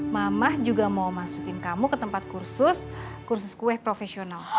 mama juga mau masukin kamu ke tempat kursus kursus kue profesional